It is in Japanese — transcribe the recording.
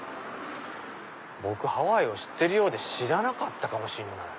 僕ハワイを知ってるようで知らなかったかもしれない。